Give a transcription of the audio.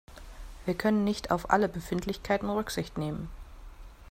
Wir können nicht auf alle Befindlichkeiten Rücksicht nehmen.